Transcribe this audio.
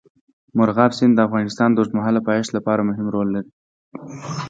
مورغاب سیند د افغانستان د اوږدمهاله پایښت لپاره مهم رول لري.